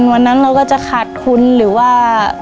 วันนั้นเราก็จะขาดทุนหรือว่า